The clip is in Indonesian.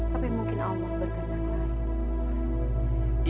tapi mungkin allah bergerak lagi